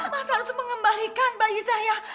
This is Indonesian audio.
masa harus mengembalikan bayi saya